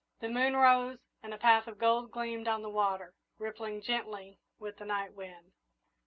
The moon rose and a path of gold gleamed on the water, rippling gently with the night wind.